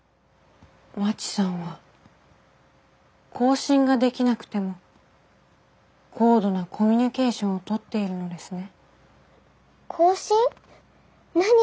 まちさんは交信ができなくても高度なコミュニケーションをとっているのですね。